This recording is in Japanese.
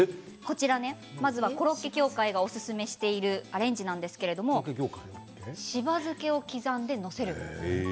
コロッケ協会がおすすめしているアレンジなんですけれどもしば漬けを刻んで載せる。